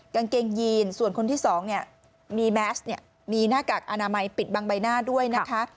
กางเกงยีนส่วนคนที่สองเนี่ยมีแมสเนี่ยมีหน้ากากอนามัยปิดบังใบหน้าด้วยนะคะ